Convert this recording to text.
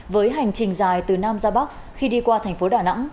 với hành trình dài từ nam ra bắc khi đi qua thành phố đà nẵng